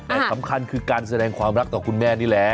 แต่สำคัญคือการแสดงความรักต่อคุณแม่นี่แหละ